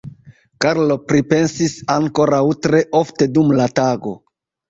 Karlo pripensis ankoraŭ tre ofte dum la tago.